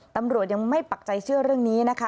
ตำรวจยังไม่ปักใจเชื่อเรื่องนี้นะคะ